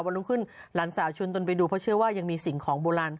รุ่งขึ้นหลานสาวชวนตนไปดูเพราะเชื่อว่ายังมีสิ่งของโบราณ